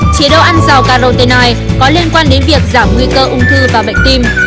chế độ ăn giàu carotene này có liên quan đến việc giảm nguy cơ ung tư và bệnh tim